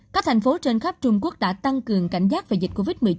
các thành phố trên khắp trung quốc đã tăng cường cảnh giác về dịch covid một mươi chín